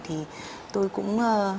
thì tôi cũng